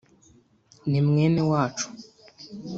Ni mwene wacu